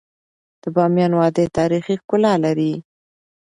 د بامیان وادی تاریخي ښکلا لري.